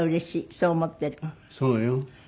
そうよ。